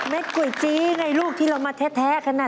เม็ดกุยจี้ไงลูกที่เรามาแท้คันน่ะ